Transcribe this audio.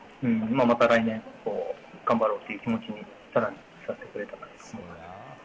また来年以降、頑張ろうという気持ちにさらにさせてくれたと思います。